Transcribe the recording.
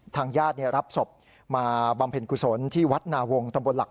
ทางญาติรับศพมาบำเพ็ญกุศลที่วัดนาวงตำบลหลัก